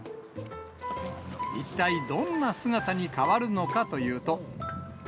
一体どんな姿に変わるのかというと。